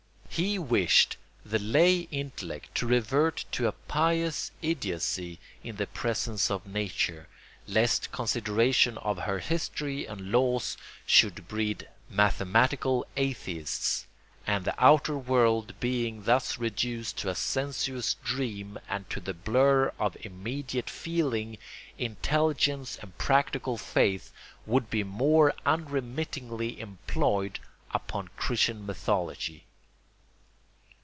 He wished the lay intellect to revert to a pious idiocy in the presence of Nature, lest consideration of her history and laws should breed "mathematical atheists"; and the outer world being thus reduced to a sensuous dream and to the blur of immediate feeling, intelligence and practical faith would be more unremittingly employed upon Christian mythology.